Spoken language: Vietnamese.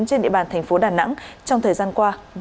trên địa bàn thành phố đà nẵng trong thời gian qua